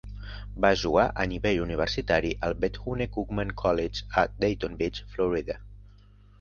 Va jugar a nivell universitari al Bethune-Cookman College, a Daytona Beach, Florida.